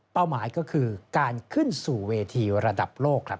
หมายก็คือการขึ้นสู่เวทีระดับโลกครับ